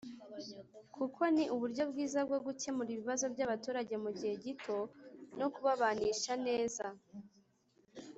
kuko ni uburyo bwiza bwo gukemura ibibazo by’abaturage mu gihe gito no kubabanisha neza”